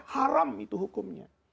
haram itu hukumnya